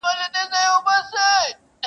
په دار دي کړم مګر خاموش دي نکړم,